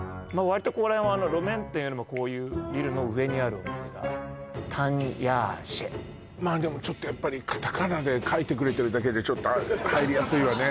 わりとここら辺は路面店よりもこういうビルの上にあるお店が譚鴨血でもちょっとやっぱりカタカナで書いてくれてるだけでちょっと入りやすいわね